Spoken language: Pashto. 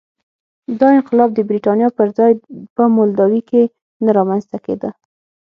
دا انقلاب د برېټانیا پر ځای په مولداوي کې نه رامنځته کېده.